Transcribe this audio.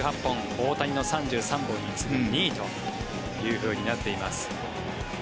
大谷の３３本に次ぐ２位というふうになっています。